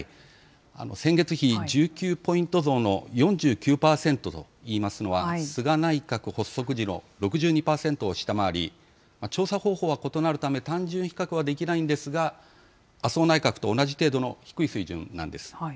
先月比１９ポイント増の４９％といいますのは、菅内閣発足時の６２％を下回り、調査方法は異なるため、単純比較はできないんですが、麻生内閣と同じ程度の低い水準なんです。